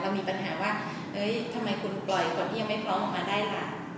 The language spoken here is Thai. เรามีปัญหาว่าเฮ้ยทำไมคุณปล่อยคนยังไม่พร้อมออกมาได้ละ